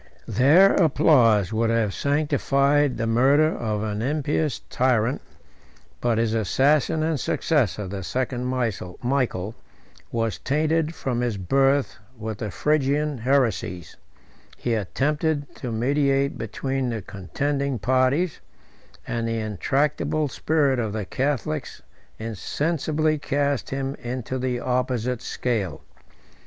Their applause would have sanctified the murder of an impious tyrant, but his assassin and successor, the second Michael, was tainted from his birth with the Phrygian heresies: he attempted to mediate between the contending parties; and the intractable spirit of the Catholics insensibly cast him into the opposite scale.